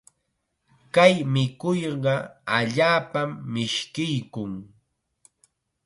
Kay mikuyqa allaapam mishkiykun.